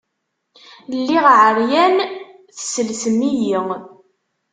Lliɣ ɛeryan, tesselsem-iyi.